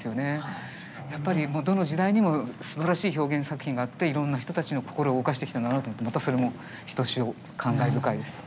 やっぱりどの時代にもすばらしい表現作品があっていろんな人たちの心を動かしてきたんだなと思ってまたそれもひとしお感慨深いです。